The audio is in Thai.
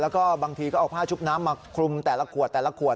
แล้วก็บางทีก็เอาผ้าชุบน้ำมาคลุมแต่ละขวดแต่ละขวด